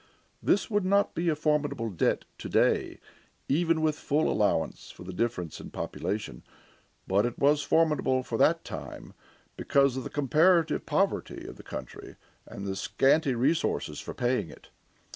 This would not be a formidable debt to day, even with full allowance for the difference in population, but it was formidable for that time because of the comparative poverty of the country, and the scanty resources for paying it.